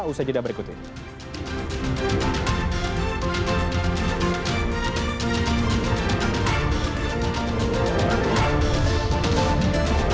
usai jeda berikut ini